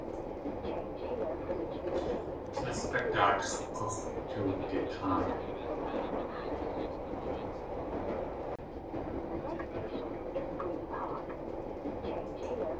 Tlél a daatx̲ k̲ux̲ tuwdataan.